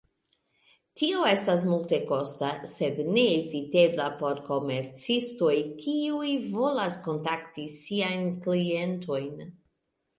Tio estas multekosta, sed neevitebla por komercistoj kiuj volas kontakti siajn klientojn.